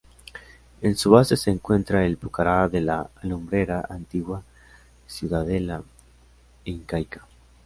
En su base se encuentra el Pucará de la Alumbrera, antigua ciudadela incaica.